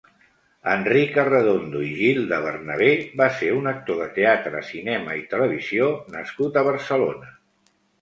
Enric Arredondo i Gil de Bernabé va ser un actor de teatre, cinema i televisió nascut a Barcelona.